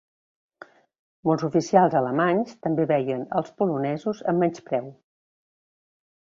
Molts oficials alemanys també veien als polonesos amb menyspreu.